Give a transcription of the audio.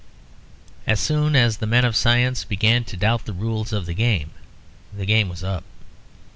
As soon as the men of science began to doubt the rules of the game, the game was up.